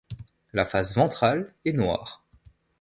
La face ventrale est noire.